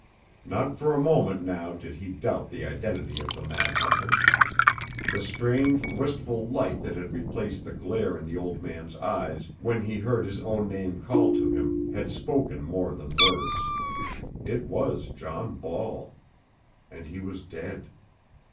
Not for a moment now did he doubt the identity of the mad hunter. The strange, wistful light that had replaced the glare in the old man's eyes when he heard his own name called to him had spoken more than words. It was John Ball! And he was dead!